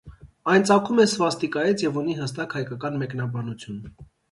Այն ծագում է սվաստիկայից և ունի հստակ հայկական մեկնաբանություն։